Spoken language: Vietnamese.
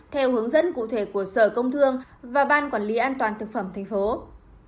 theo hướng dẫn cụ thể của sở công thương và ban quản lý an toàn thực phẩm tp hcm